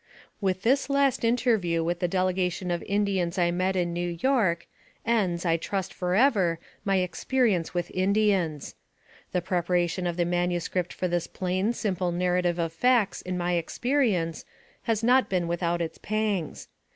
With this last interview with the delegation of In dians I met in New York ends, I trust forever, my experience with Indians. The preparation of the manu script for this plain, simple narrative of facts in my ex perience, has not been without its pangs.